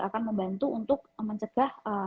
akan membantu untuk mencegah